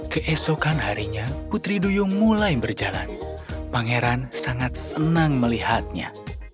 keesokan harinya putri duyung mulai berjalan pangeran sangat senang melihatnya